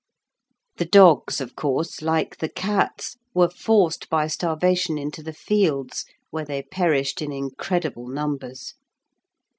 The dogs, of course, like the cats, were forced by starvation into the fields, where they perished in incredible numbers.